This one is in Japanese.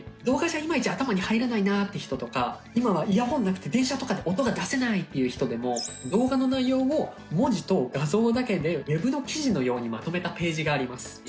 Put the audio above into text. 動画じゃいまいち頭に入らないなって人とか今はイヤホンなくて電車とかで音が出せないっていう人でも動画の内容を文字と画像だけでウェブの記事のようにまとめたページがあります。